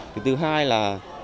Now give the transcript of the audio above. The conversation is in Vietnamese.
thứ hai là